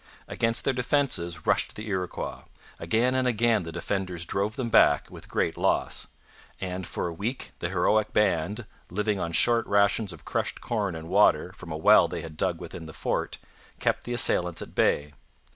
Against their defences rushed the Iroquois. Again and again the defenders drove them back with great loss. And for a week the heroic band, living on short rations of crushed corn and water from a well they had dug within the fort, kept the assailants at bay.